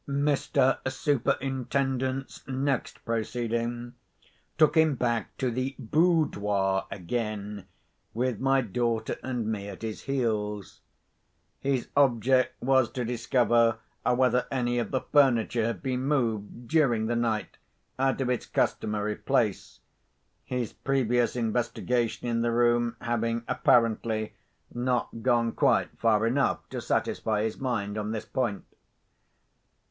Mr. Superintendent's next proceeding took him back to the "boudoir" again, with my daughter and me at his heels. His object was to discover whether any of the furniture had been moved, during the night, out of its customary place—his previous investigation in the room having, apparently, not gone quite far enough to satisfy his mind on this point.